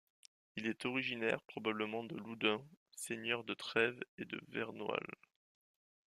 Il est originaire probablement de Loudun, seigneur de Trèves et de Vernoil.